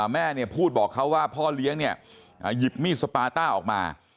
แม่เนี่ยพูดบอกเขาว่าพ่อเลี้ยงเนี่ยหยิบมีดสปาต้าออกมา